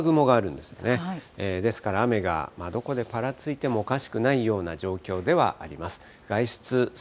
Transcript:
ですから、雨がどこでぱらついてもおかしくないような状況ではあります。